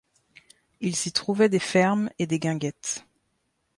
Il s'y trouvait des fermes et des guinguettes.